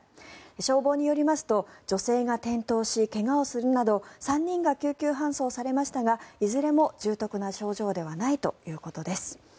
消防によりますと女性が転倒し、怪我をするなど３人が救急搬送されましたがいずれも重篤な症状ではないということです。